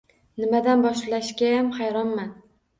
Nimadan boshlashgayam hayronman